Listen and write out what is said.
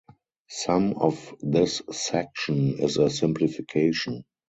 Some of this section is a simplification.